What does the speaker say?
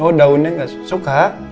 oh daunnya gak suka